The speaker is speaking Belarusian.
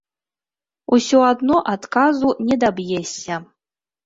Усё адно адказу не даб'ешся.